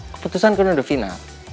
keputusan kan udah final